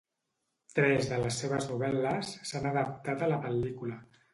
Tres de les seves novel·les s'han adaptat a pel·lícula.